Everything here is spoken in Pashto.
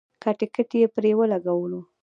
که ټکټ یې پرې ولګولو.